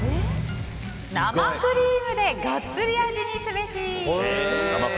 生クリームでガッツリ味にすべし。